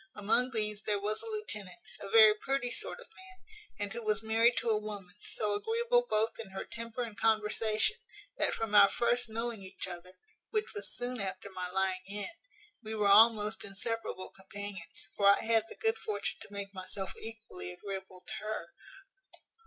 Among these there was a lieutenant, a very pretty sort of man, and who was married to a woman, so agreeable both in her temper and conversation, that from our first knowing each other, which was soon after my lying in, we were almost inseparable companions; for I had the good fortune to make myself equally agreeable to her.